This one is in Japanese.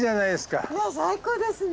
最高ですね。